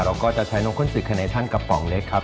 เราก็จะใช้นกข้นจึกคาเนชั่นกระป๋องเล็กครับ